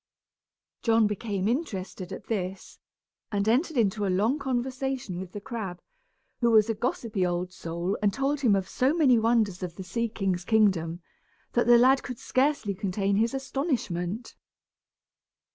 John became interested at this, and entered into a long conversation with the crab, who was a gossipy old soul and told him of so many wonders of the sea king's kingdom that the lad could scarcely contain his astonishment.